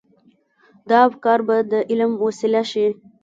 دا افکار به د عمل وسيله شي.